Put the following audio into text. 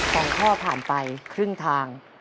สองข้อผ่านไปครึ่งทาง